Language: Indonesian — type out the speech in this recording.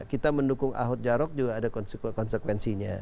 kita mendukung ahud jarog juga ada konsekuensinya